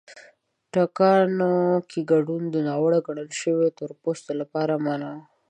ټاکنو کې ګډون د ناوړه ګڼل شویو تور پوستانو لپاره منع و.